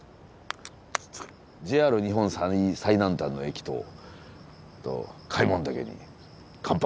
ＪＲ日本最南端の駅と開聞岳に乾杯！